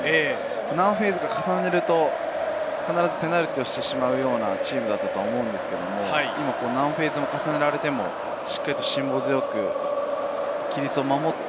何フェーズか重ねると、必ずペナルティーをしてしまうようなチームだったと思うんですけれど、今は何フェーズ重ねられても、辛抱強く規律を守って、